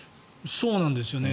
そうなんですよね。